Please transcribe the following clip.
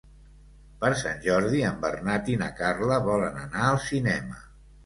Per Sant Jordi en Bernat i na Carla volen anar al cinema.